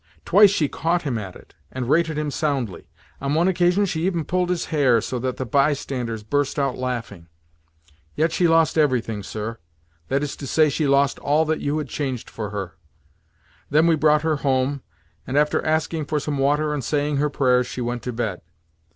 Twice she caught him at it, and rated him soundly. On one occasion she even pulled his hair, so that the bystanders burst out laughing. Yet she lost everything, sir—that is to say, she lost all that you had changed for her. Then we brought her home, and, after asking for some water and saying her prayers, she went to bed.